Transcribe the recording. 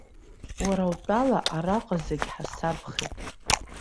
Уара утәала араҟа зегь ҳасабхеит.